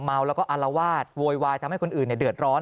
เมาแล้วก็อารวาสโวยวายทำให้คนอื่นเดือดร้อน